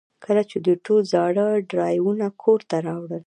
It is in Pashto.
کله چې دوی ټول زاړه ډرایوونه کور ته راوړل